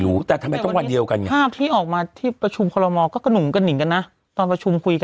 สนับสนุนในทุกทางที่พลฉ์ประยุทธ์เลือก